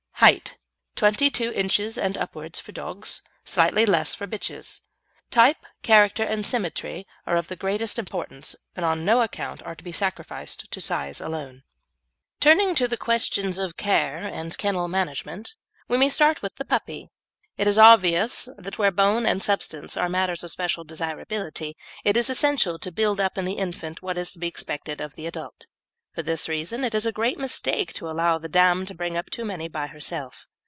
HEIGHT Twenty two inches and upwards for dogs, slightly less for bitches. Type, character, and symmetry are of the greatest importance, and on no account to be sacrificed to size alone. Turning to the questions of care and kennel management, we may start with the puppy. It is obvious that where bone and substance are matters of special desirability, it is essential to build up in the infant what is to be expected of the adult. For this reason it is a great mistake to allow the dam to bring up too many by herself.